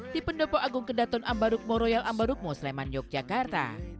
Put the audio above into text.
di pendepok agung kendaton ambarukmo royal ambarukmo sleman yogyakarta